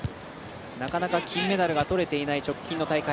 なかなか金メダルが取れていない直近の大会。